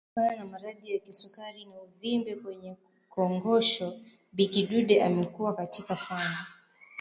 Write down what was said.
kutokana na maradhi ya kisukari na uvimbe kwenye Kongosho Bi Kidude amekuwa katika fani